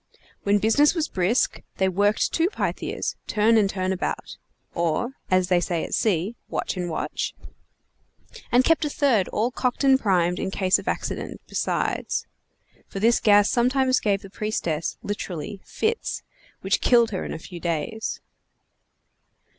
When business was brisk they worked two Pythias, turn and turn about (or, as they say at sea, watch and watch), and kept a third all cocked and primed in case of accident, besides; for this gas sometimes gave the priestess (literally) fits, which killed her in a few days.